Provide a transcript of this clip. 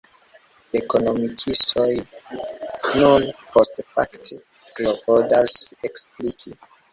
Ekonomikistoj nur postfakte klopodas ekspliki.